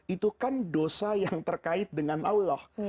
itu kan dosa yang terkait dengan allah